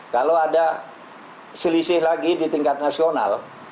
kalau ada selisih lagi di tingkat nasional